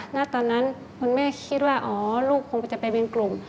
ณตอนนั้นคุณแม่คิดว่าอ๋อลูกคงจะไปเป็นกลุ่ม